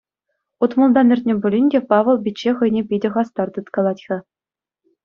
Утмӑлтан иртнӗ пулин те, Павӑл пичче хӑйне питӗ хастар тыткалать-ха.